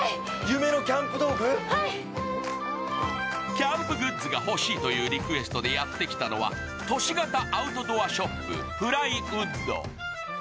キャンプグッズが欲しいというリクエストでやってきたのは都市型アウトドアショップｐｌｙｗｏｏｄ。